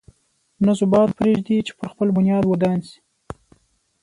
نه ثبات پرېږدي چې پر خپل بنیاد ودان شي.